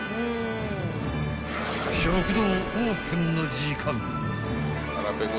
［食堂オープンの時間］